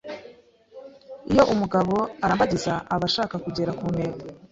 Iyo umugabo arambagiza aba ashaka kugera ku ntego